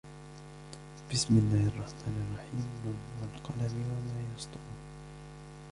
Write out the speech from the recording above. بسم الله الرحمن الرحيم ن والقلم وما يسطرون